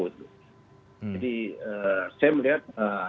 jadi saya melihat